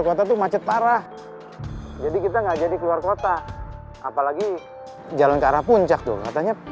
kota tuh macet parah jadi kita nggak jadi keluar kota apalagi jalan ke arah puncak tuh katanya